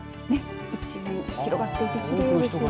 一面広がっていてきれいですよね。